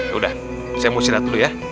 yaudah saya mau istirahat dulu ya